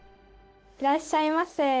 いらっしゃいませ。